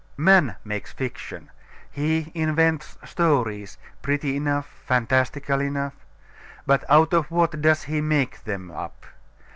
Man makes fiction: he invents stories, pretty enough, fantastical enough. But out of what does he make them up?